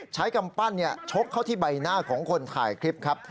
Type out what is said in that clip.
กำปั้นชกเข้าที่ใบหน้าของคนถ่ายคลิปครับ